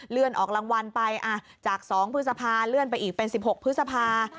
ออกรางวัลไปจาก๒พฤษภาเลื่อนไปอีกเป็น๑๖พฤษภา